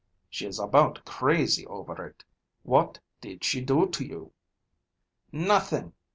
She is about crazy over it. What did she do to you?" "Nothing!"